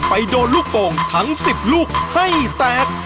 ไปโดนลูกโป่งทั้ง๑๐ลูกให้แตก